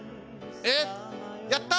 えっやった！